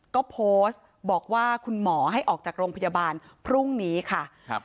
ก็โพสต์บอกว่าคุณหมอให้ออกจากโรงพยาบาลพรุ่งนี้ค่ะครับ